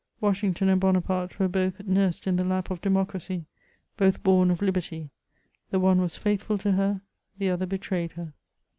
Washington and Bonaparte were both nursed in the lap of democracy ; hoth bom of liberty, the one was faithful to her, the other betrayed her.